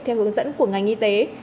theo hướng dẫn của ngành y tế